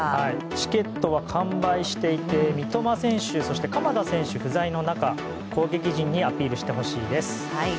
チケットは完売していて三笘選手、鎌田選手不在の中攻撃陣にアピールしてほしいです。